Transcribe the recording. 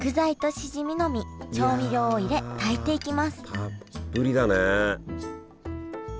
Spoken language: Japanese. たっぷりだねえ。